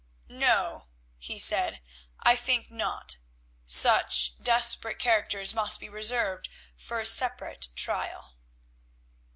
"No," he said, "I think not. Such desperate characters must be reserved for separate trial."